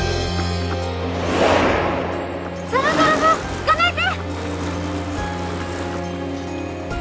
その泥棒捕まえて！